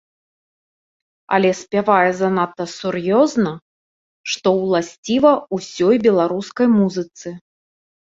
Але спявае занадта сур'ёзна, што ўласціва ўсёй беларускай музыцы.